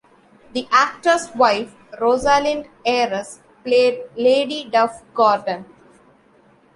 The actor's wife, Rosalind Ayres, played Lady Duff-Gordon.